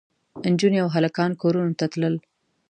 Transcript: نجونې او هلکان کورونو ته تلل.